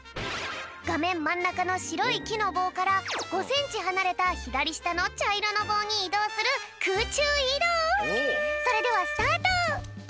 がめんまんなかのしろいきのぼうから５センチはなれたひだりしたのちゃいろのぼうにいどうするくうちゅういどう！